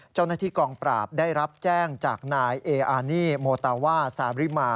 เจ้าหน้าที่กองปราบได้รับแจ้งจากนายเออานี่โมตาว่าซาบริมา